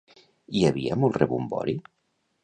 Hi havia molt rebombori?